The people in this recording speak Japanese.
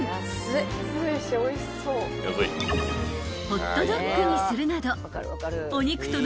［ホットドッグにするなど］